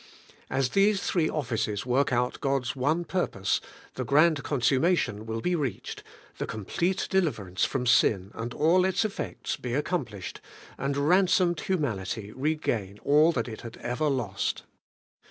As these three offices work out God's one purpose, the grand consummation will be reached, the complete deliver ance from sin and all its effects be accomplished, and ransomed humanity regain all that it had ever lost.